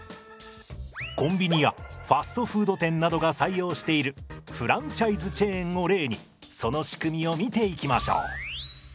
コンビニやファストフード店などが採用しているフランチャイズチェーンを例にその仕組みを見ていきましょう。